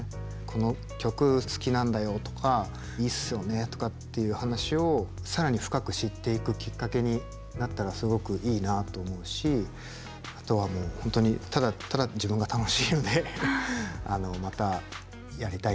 「この曲好きなんだよ」とか「いいっすよね」とかっていう話を更に深く知っていくきっかけになったらすごくいいなと思うしあとはもう本当にただただ自分が楽しいのでまたやりたいなと思いました。